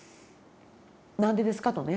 「何でですか？」とね。